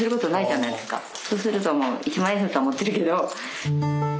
そうするともう一万円札は持ってるけど。